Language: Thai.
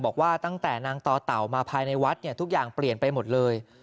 บอกว่าตั้งแต่นางต่อเต่ามาภายในวัดเนี่ยทุกอย่างเปลี่ยนไปหมดเลย